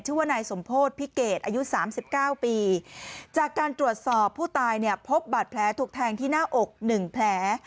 ชื่อว่านายสมโพธิพิเกตอายุสามสิบเก้าปีจากการตรวจสอบผู้ตายเนี่ยพบบาดแผลถูกแทงที่หน้าอกหนึ่งแผล